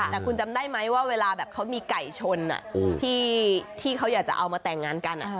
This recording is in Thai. แต่คุณจำได้ไหมว่าเวลาแบบเขามีไก่ชนที่เขาอยากจะเอามาแต่งงานกัน